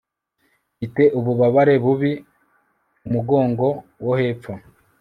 mfite ububabare bubi mumugongo wo hepfo